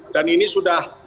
dan ini sudah